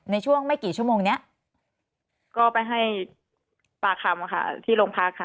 ในช่วงไม่กี่ชั่วโมงนี้ก็ไปให้ปากคำค่ะที่โรงพักค่ะ